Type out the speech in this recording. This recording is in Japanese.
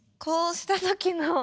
こうした時の。